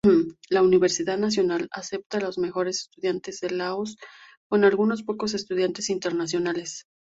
La Universidad nacional acepta los mejores estudiantes de Laos con algunos pocos estudiantes internacionales.